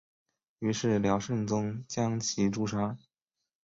于是辽圣宗将其诛杀。